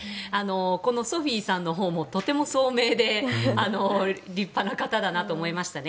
このソフィーさんのほうもとても聡明で立派な方だなと思いましたね。